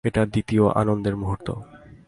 এটা দ্বিতীয় আনন্দের মুহূর্ত।